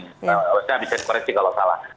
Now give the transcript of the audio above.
saya bisa eksplorasi kalau salah